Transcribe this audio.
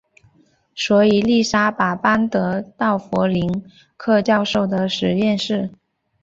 所以丽莎把班德到弗林克教授的实验室。